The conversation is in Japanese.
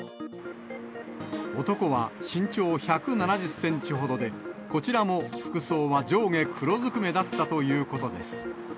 男は身長１７０センチほどで、こちらも服装は上下黒ずくめだったということです。